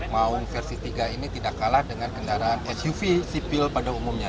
maung versi tiga ini tidak kalah dengan kendaraan suv sipil pada umumnya